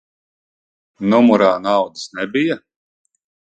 Numurā naudas nebija?